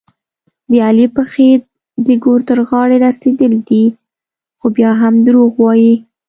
د علي پښې د ګور تر غاړې رسېدلې دي، خو بیا هم دروغ وايي.